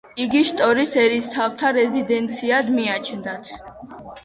იგი შტორის ერისთავთა რეზიდენციად მიაჩნდათ.